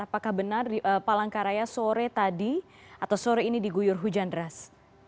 apakah benar palangkaraya sore tadi atau sore ini diguyur hujan deras